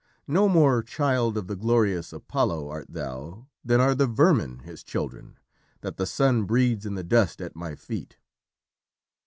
No more child of the glorious Apollo art thou than are the vermin his children, that the sun breeds in the dust at my feet."